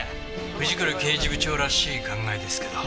藤倉刑事部長らしい考えですけど。